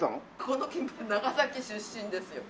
この近辺長崎出身ですよ。